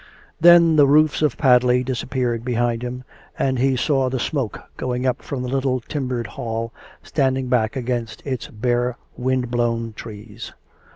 Then the roofs of Padley disappeared behind him, and he saw the smoke going up from the little timbered Hall, standing back against its bare wind blown trees.